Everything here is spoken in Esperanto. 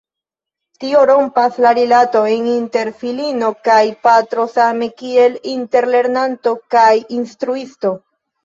Tio rompas la rilatojn inter filino kaj patro same kiel inter lernanto kaj instruisto.